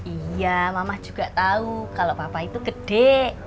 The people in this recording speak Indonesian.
iya mama juga tahu kalo papa itu gede